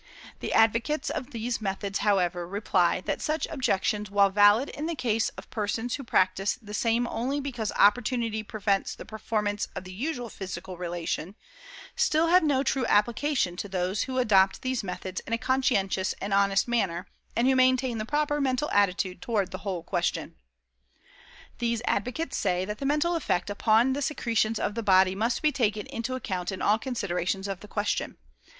The advocates of these methods, however, reply that such objections while valid in the case of persons who practice the same only because opportunity prevents the performance of the usual physical relation, still have no true application to those who adopt these methods in a conscientious and honest manner, and who maintain THE PROPER MENTAL ATTITUDE toward the whole question. These advocates say that the MENTAL EFFECT upon the secretions of the body must be taken into account in all considerations of the question.